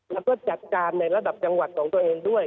แล้วก็จัดการในระดับจังหวัดของตัวเองด้วย